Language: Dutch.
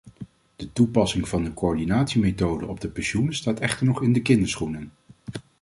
De toepassing van de coördinatiemethode op de pensioenen staat echter nog in de kinderschoenen.